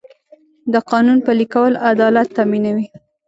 د قانون پلي کول عدالت تامینوي.